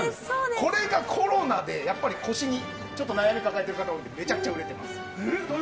これがコロナで腰に悩みを抱えている方に売れています。